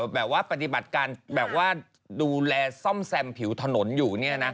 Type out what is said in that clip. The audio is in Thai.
แบบว่าปฏิบัติการดูแลส้อมแซมผิวถนนอยู่